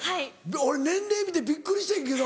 俺年齢見てびっくりしてんけど。